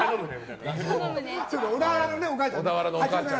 小田原のお母ちゃんがね。